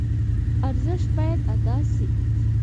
ارزش باید ادا شي.